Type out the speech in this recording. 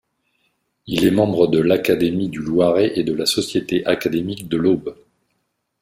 Il est membre de l'académie du Loiret et de la société académique de l'Aube.